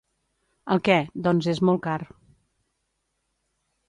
El què, doncs, és molt clar.